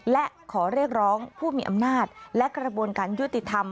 และขอเรียกร้องผู้มีอำนาจและกระบวนการยุติธรรม